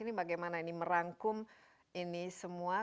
ini bagaimana ini merangkum ini semua